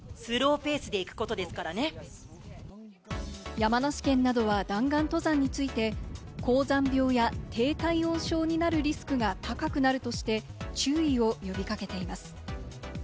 山梨県などは弾丸登山について高山病や低体温症になるリスクが高くなるとして、注意を呼び掛けています。